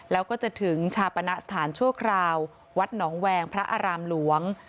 แล้วก็จะถึงชาปณะสถานชั่วคราววัดหนองแวงพระอารามหลวง